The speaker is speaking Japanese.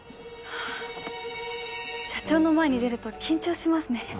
社長の前に出ると緊張しますね。